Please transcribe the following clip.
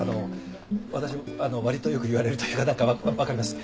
私わりとよく言われるというか分かります。